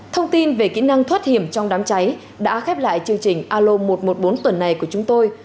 thông tin về kỹ năng thoát hiểm trong đám cháy đã khép lại chương trình alo một trăm một mươi bốn tuần này của chúng tôi